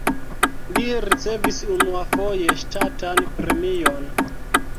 Li ricevis unuafoje ŝtatan premion.